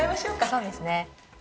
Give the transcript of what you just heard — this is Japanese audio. そうですね。